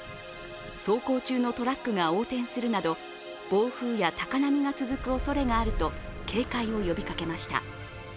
走行中のトラックが横転するなど、暴風や高波が続くおそれがあると警戒を呼びかけました。